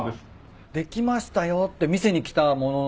できましたよって見せに来た物なんですか？